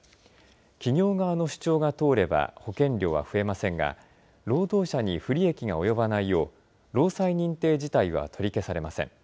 企業側の主張が通れば、保険料は増えませんが、労働者に不利益が及ばないよう、労災認定自体は取り消されません。